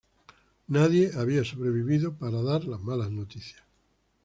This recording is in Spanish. Nadie había sobrevivido para dar las malas noticias.